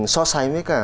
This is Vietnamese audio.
so sánh với cả